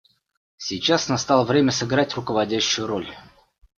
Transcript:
Сейчас настало время сыграть руководящую роль.